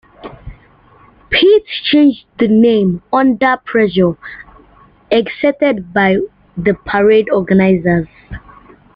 Pete changed the name under pressure exerted by the parade organizers.